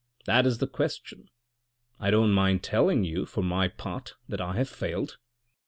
That is the question. I don't mind telling you, for my own part, that I have failed.